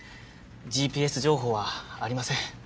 ＧＰＳ情報はありません。